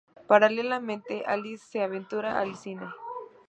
Paralelamente, Alice se aventura al cine.